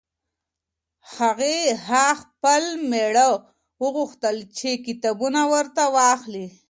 هغې ه خپل مېړه وغوښتل چې کتابونه ورته واخلي.